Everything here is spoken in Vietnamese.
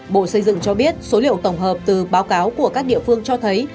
bộ xây dựng cho biết số liệu tổng hợp từ báo cáo của các địa phương cho thấy